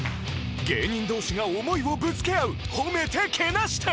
芸人同士が思いをぶつけ合う褒めて！